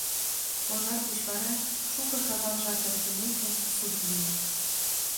Пожар деч вара, шуко-шагал жап эртымеке, суд лие.